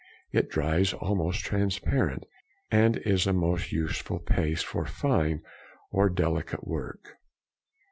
It dries almost transparent, and is a most useful paste for fine or delicate work.